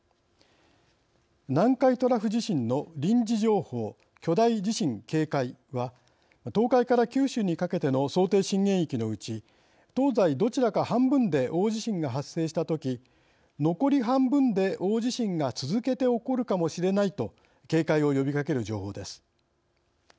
南海トラフ地震の「臨時情報」は東海から九州にかけての想定震源域のうち東西どちらか半分で大地震が発生した時「残り半分で大地震が続けて起こるかもしれない」と警戒を呼びかける情報です。